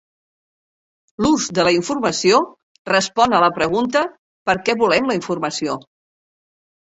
L’ús de la informació respon a la pregunta per què volem la informació.